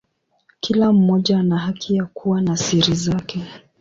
Kila mmoja ana haki ya kuwa na siri zake.